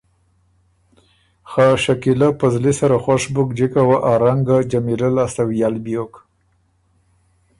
خه شکیلۀ په زلی سره خوش بُک جِکه وه ا رنګ ګۀ جمیلۀ لاسته وئل بیوک